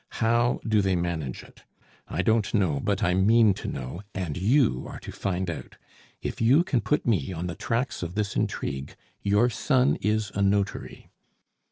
"How do they manage it? I don't know; but I mean to know, and you are to find out. If you can put me on the tracks of this intrigue, your son is a notary."